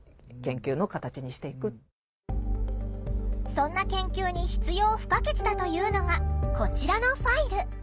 そんな研究に必要不可欠だというのがこちらのファイル。